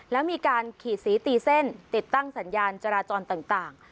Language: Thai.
แล้วมีการขีดสีตีเส้นติดตั้งสัญญาณจราจรต่าง